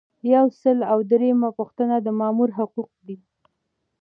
یو سل او دریمه پوښتنه د مامور حقوق دي.